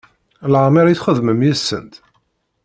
Laɛmeṛ i txedmem yid-sent?